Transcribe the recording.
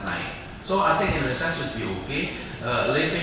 jadi saya pikir indonesia harus baik baik saja